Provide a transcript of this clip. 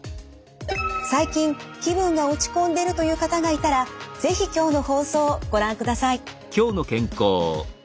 最近気分が落ち込んでるという方がいたら是非今日の放送ご覧ください。